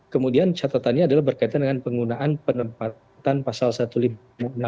kemudian catatannya adalah berkaitan dengan penggunaan penempatan pasal satu ratus lima puluh enam